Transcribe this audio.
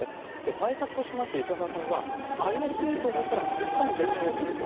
対策としまして、石原さんは、怪しいと思ったらいったん電話を切ると。